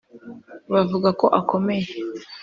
bavuga ko akomeye